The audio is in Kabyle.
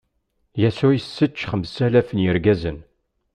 Yasuɛ issečč xemsalaf n yirgazen.